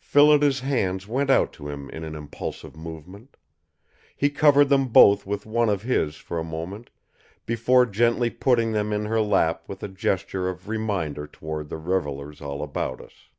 Phillida's hands went out to him in an impulsive movement. He covered them both with one of his for a moment before gently putting them in her lap with a gesture of reminder toward the revellers all about us.